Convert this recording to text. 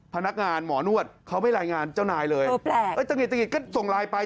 พนักงานหมอนวดเขาไม่รายงานเจ้านายเลยตะงิดก็ส่งไลน์ไป